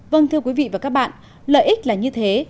vâng thưa quý vị và các bạn lợi ích là như thế